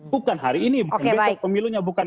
bukan hari ini mungkin besok pemilunya bukan